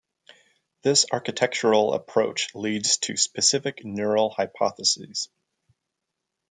This architectural approach leads to specific neural hypotheses.